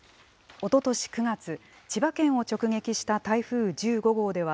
おととし９月、千葉県を直撃した台風１５号では、